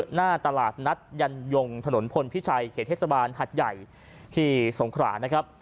หน้าตลาดนัดยันยงถนนพลพิชัยเขตเทศบาลหัดใหญ่ที่สงขรานะครับ